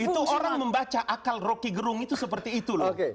itu orang membaca akal rocky gerung itu seperti itu loh